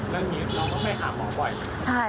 แล้วนี้น้องก็ไปหาหมอบ่อย